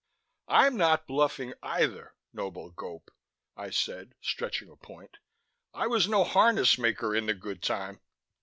"I'm not bluffing either, noble Gope," I said, stretching a point. "I was no harness maker in the Good Time."